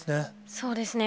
そうですね。